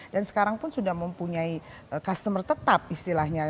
dan sekarang pun sudah mempunyai customer tetap istilahnya